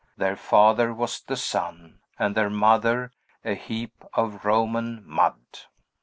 Their father was the sun, and their mother a heap of Roman mud.